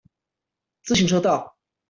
自行車道